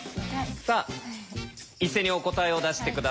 さあ一斉にお答えを出して下さい。